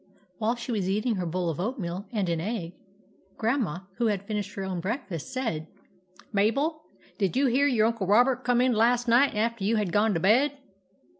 While she was eating her bowl of oat meal and an tgg y Grandma, who had fin ished her own breakfast, said :—" Mabel, did you hear your Uncle Robert come in last night after you had gone to bed